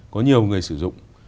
có nhiều người sử dụng